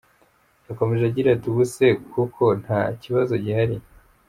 Yakomeje agira ati “Ubu se koko nta kibazo gihari.